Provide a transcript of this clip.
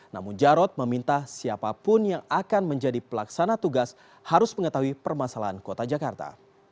namun jarod meminta siapapun yang akan menjadi pelaksana tugas harus mengetahui permasalahan kota jakarta